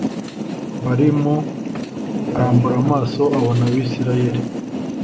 bal mu arambura amaso abona abisirayeli